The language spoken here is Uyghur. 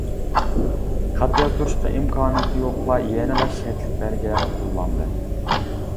خەت يازدۇرۇشقا ئىمكانىيىتى يوقلار يەنىلا شەرتلىك بەلگىلەرنى قوللاندى.